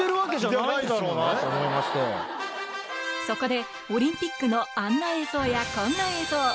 そこでオリンピックのあんな映像やこんな映像